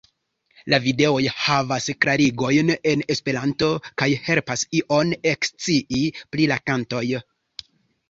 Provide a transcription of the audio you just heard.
La videoj havas klarigojn en Esperanto kaj helpas ion ekscii pri la kantoj.